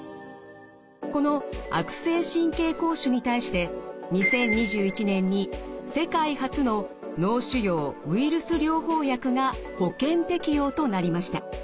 この悪性神経膠腫に対して２０２１年に世界初の脳腫瘍ウイルス療法薬が保険適用となりました。